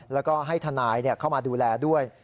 แล้วก็ให้ทนายเข้ามาดูแลด้วย